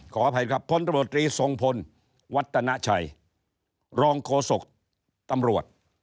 ขออภัยครับพลตรวจตรีทรงพลวัฒนาชัยรองโฆษกตำรวจ